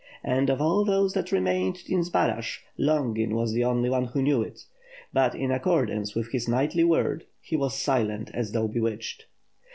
And of all those that remained in Zbaraj, Longin was the only one who knew it. But in accordance with his knightly word, he was silent as though bewitched.